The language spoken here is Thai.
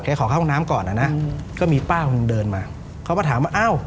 ขอเข้าห้องน้ำก่อนอ่ะนะก็มีป้าคนหนึ่งเดินมาเขาก็ถามว่าอ้าว